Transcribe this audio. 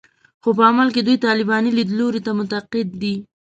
خو په عمل کې دوی طالباني لیدلوري ته معتقد دي